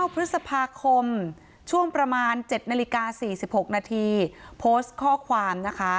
พฤษภาคมช่วงประมาณ๗นาฬิกา๔๖นาทีโพสต์ข้อความนะคะ